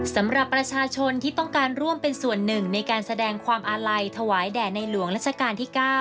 สำหรับประชาชนที่ต้องการร่วมเป็นส่วนหนึ่งในการแสดงความอาลัยถวายแด่ในหลวงรัชกาลที่๙